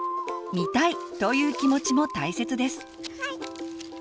「見たい！」という気持ちも大切です。